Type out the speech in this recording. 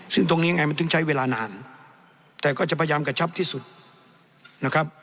ซึ่งตรงนี้ไงมันถึงใช้เวลานานแต่ก็จะพยายามกระชับที่สุดนะครับ